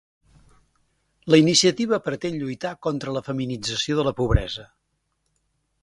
La iniciativa pretén lluitar contra la feminització de la pobresa.